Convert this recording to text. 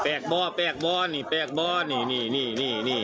แบบว่ามีแปลงเบาะนี่แปลงบอนนี้นี่นี่นี่นี่